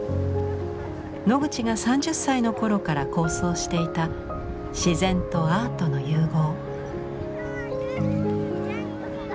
ノグチが３０歳の頃から構想していた自然とアートの融合。